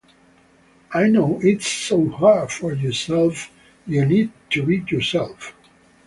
I know it's so hard for yourself, you need to be yourself.